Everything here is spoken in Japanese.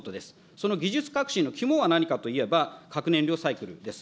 その技術革新の肝は何かというと、核燃料サイクルです。